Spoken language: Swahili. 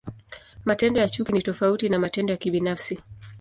Matendo ya chuki ni tofauti na matendo ya kibinafsi.